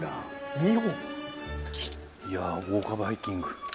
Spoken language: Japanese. いやあ豪華バイキング。